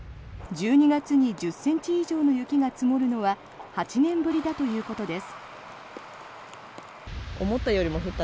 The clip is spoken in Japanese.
１２月に１０ｃｍ以上の雪が積もるのは８年ぶりだということです。